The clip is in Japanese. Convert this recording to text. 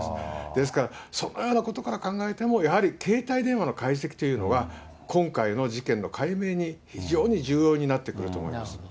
ですから、そのようなことから考えても、やはり携帯電話の解析というのは、今回の事件の解明に、非常に重要になってくると思います。